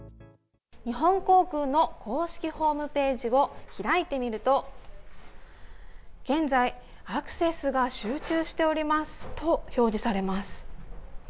日本航空の公式ホームページを開いてみると、現在、アクセスが集中しておりますと表示されます。